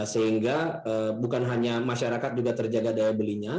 sehingga bukan hanya masyarakat juga terjaga daya belinya